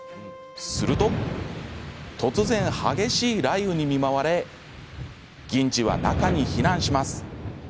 すると突然、激しい雷雨に見舞われ銀次は中に避難します。